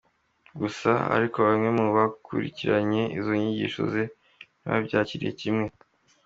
Gusa ariko bamwe mu bakurikiranye izo nyigisho ze ntibabyakiriye kimwe.